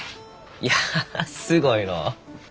いやすごいのう。